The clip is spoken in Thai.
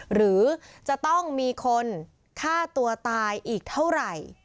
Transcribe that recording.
หรือจะต้องมีคนฆ่าตัวตายอีกเท่าไหร่